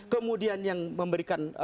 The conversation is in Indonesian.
kemudian yang memberikan